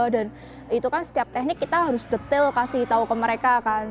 dan itu kan setiap teknik kita harus detail kasih tau ke mereka